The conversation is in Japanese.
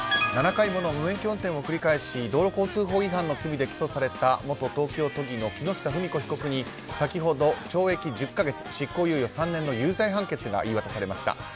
７回もの無免許運転を繰り返し道路交通法違反の罪で起訴された元東京都議の木下富美子被告に先ほど懲役１０か月執行猶予３年の有罪判決が言い渡されました。